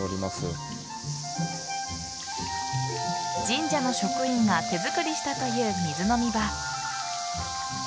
神社の職員が手作りしたという水飲み場。